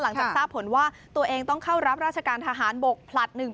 หลังจากทราบผลว่าตัวเองต้องเข้ารับราชการทหารบกผลัด๑๒